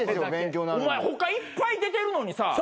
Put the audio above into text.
お前他いっぱい出てるのにさ